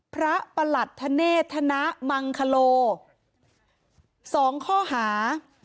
พระประหลัดธเนธนะมังคโลสองข้อหา